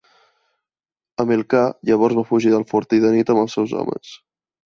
Amílcar llavors va fugir del fortí de nit amb els seus homes.